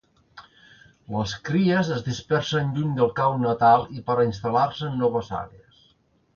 Les cries es dispersen lluny del cau natal i per a instal·lar-se en noves àrees.